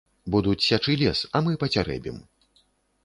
Будуць сячы лес, а мы пацярэбім.